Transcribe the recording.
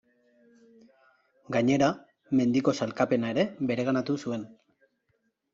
Gainera, mendiko sailkapena ere bereganatu zuen.